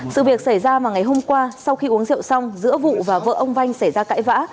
sự việc xảy ra vào ngày hôm qua sau khi uống rượu xong giữa vụ và vợ ông vanh xảy ra cãi vã